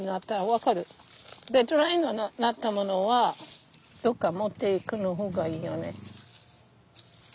ドライになったものはどっか持っていく方がいいよね。